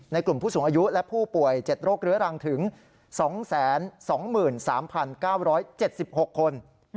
กลุ่มผู้สูงอายุและผู้ป่วย๗โรคเรื้อรังถึง๒๒๓๙๗๖คน